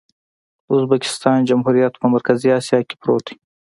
د ازبکستان جمهوریت په مرکزي اسیا کې پروت دی.